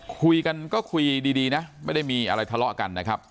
คุยกันก็คุยดีนะไม่ได้มีอะไรทะเลาะกันนะครับ